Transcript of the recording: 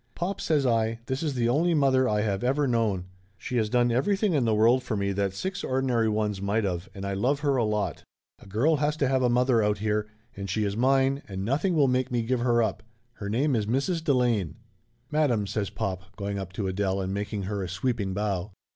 "Pop," says I, "this is the only mother I have ever known. She has done everything in the world for me that six ordinary ones might of, and I love her a lot. A girl has to have a mother out here, and she is mine Laughter Limited 243 and nothing will make me give her up. Her name is Mrs. Delane." "Madame !" says pop, going up to Adele and making her a sweeping bow.